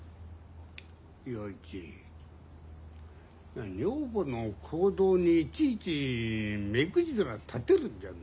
洋一女房の行動にいちいち目くじら立てるんじゃないぞ。